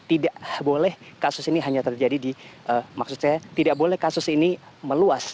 tidak boleh kasus ini hanya terjadi di maksud saya tidak boleh kasus ini meluas